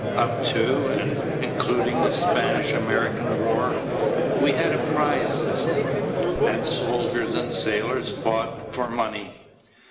Up to and including the Spanish American War, we had a prize system, and soldiers and sailors fought for money.